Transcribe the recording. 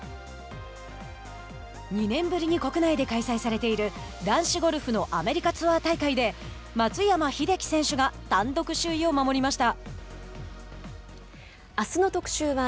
２年ぶりに国内で開催されている男子ゴルフのアメリカツアー大会で松山英樹選手が単独首位を守りました。